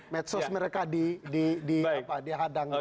met sos mereka dihadangkan